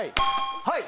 はい。